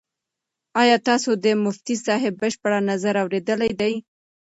ایا تاسو د مفتي صاحب بشپړ نظر اورېدلی دی؟